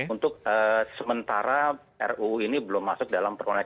untuk sementara ruu ini belum masuk dalam perkoneksi